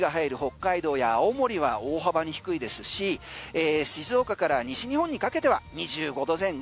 北海道や青森は大幅に低いですし静岡から西日本にかけて２５度前後、